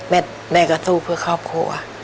แม่ก็สู้เพื่อครอบครัว